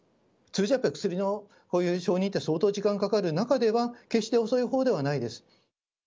通常だったら、薬のこういう承認って相当時間かかる中では、決して遅いほうではないです。